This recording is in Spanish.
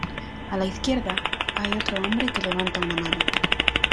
A la izquierda hay otro hombre que levanta una mano.